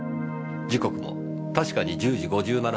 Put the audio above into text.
時刻も確かに１０時５７分を指しています。